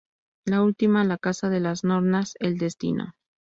La última a la Casa de las Nornas, el Destino.